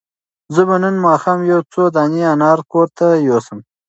زه به نن ماښام یو څو دانې انار کور ته یوسم.